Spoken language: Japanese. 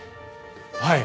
はい。